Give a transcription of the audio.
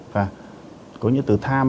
và có nghĩa là từ tham